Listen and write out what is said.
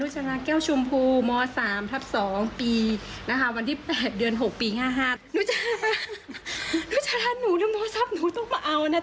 ก็ฉะนั้นหนูลืมโทรศัพท์หนูต้องมาเอานะ